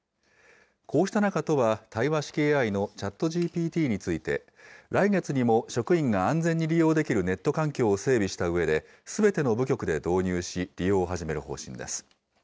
こうした中、都は対話式ＡＩのＣｈａｔＧＰＴについて、来月にも職員が安全に利用できるネット環境を整備したうえで、すべての部局で導入し、利用を始める方針です。